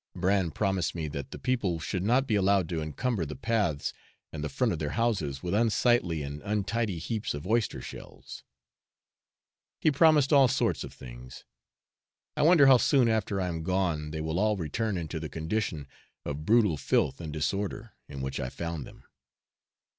Bran promised me that the people should not be allowed to encumber the paths and the front of their houses with unsightly and untidy heaps of oyster shells. He promised all sorts of things. I wonder how soon after I am gone they will all return into the condition of brutal filth and disorder in which I found them.